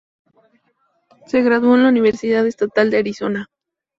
Se graduó en la Universidad Estatal de Arizona.